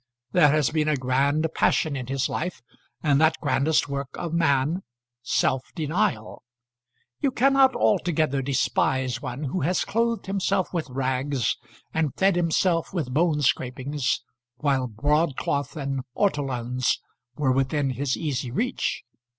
There has been a grand passion in his life, and that grandest work of man, self denial. You cannot altogether despise one who has clothed himself with rags and fed himself with bone scrapings, while broadcloth and ortolans were within his easy reach.